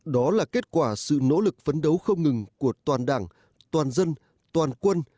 đó là kết quả sự nỗ lực phấn đấu không ngừng của toàn đảng toàn dân toàn quân